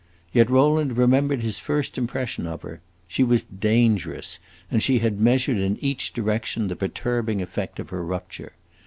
Yet Rowland remembered his first impression of her; she was "dangerous," and she had measured in each direction the perturbing effect of her rupture.